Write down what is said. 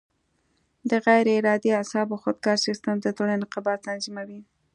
د غیر ارادي اعصابو خودکاره سیستم د زړه انقباض تنظیموي.